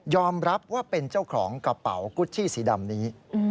รับว่าเป็นเจ้าของกระเป๋ากุชชี่สีดำนี้